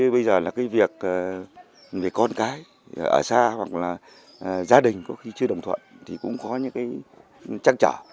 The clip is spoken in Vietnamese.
bây giờ là cái việc con cái ở xa hoặc là gia đình có khi chưa đồng thuận thì cũng có những cái trăn trở